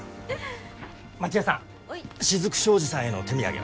街絵さんしずく商事さんへの手土産は？